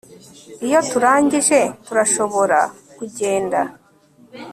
Iyo turangije turashobora kugenda